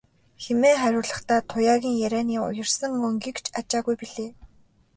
хэмээн хариулахдаа Туяагийн ярианы уярсан өнгийг ч ажаагүй билээ.